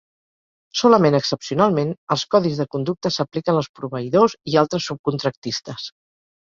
Solament excepcionalment, els codis de conducta s'apliquen als proveïdors i altres subcontractistes.